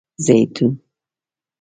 🫒 زیتون